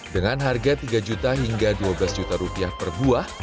dengan harga tiga juta hingga dua belas juta rupiah per buah